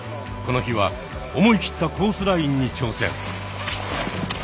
この日は思い切ったコースラインに挑戦。